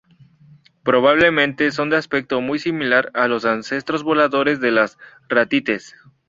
Probablemente son de un aspecto muy similar a los ancestros voladores de las ratites.